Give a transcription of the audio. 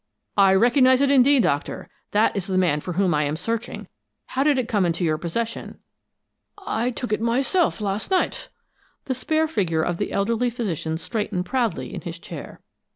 "I recognize it, indeed, Doctor. That is the man for whom I am searching. How did it come into your possession?" "I took it myself, last night." The spare figure of the elderly physician straightened proudly in his chair.